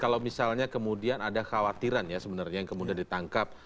kalau misalnya kemudian ada khawatiran ya sebenarnya yang kemudian ditangkap